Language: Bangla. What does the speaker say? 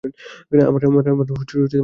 আমার হেডফোন কোথায়?